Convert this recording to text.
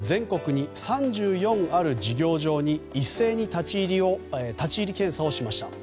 国土交通省は全国に３４ある事業場に一斉に立ち入り検査をしました。